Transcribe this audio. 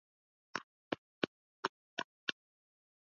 Alishinda tena uchaguzi mkuu wa mwaka elfu mbili na kumi na mbili